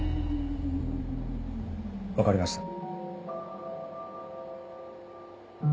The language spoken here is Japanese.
分かりました。